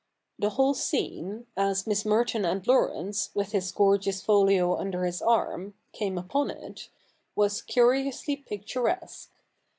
The whole scene, as Miss Merton and Laurence, with his gorgeous folio under his arm, came upon it, was curiously pic turesque.